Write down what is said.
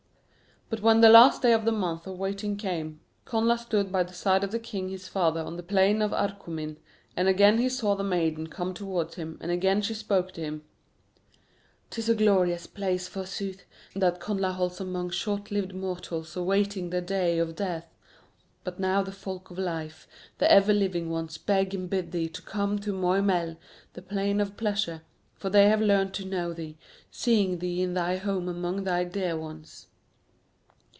But when the last day of the month of waiting came, Connla stood by the side of the king his father on the Plain of Arcomin, and again he saw the maiden come towards him, and again she spoke to him. "'Tis a glorious place, forsooth, that Connla holds among shortlived mortals awaiting the day of death. But now the folk of life, the ever living ones, beg and bid thee come to Moy Mell, the Plain of Pleasure, for they have learnt to know thee, seeing thee in thy home among thy dear ones."